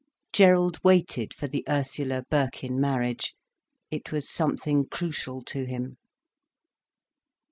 Gerald waited for the Ursula Birkin marriage. It was something crucial to him.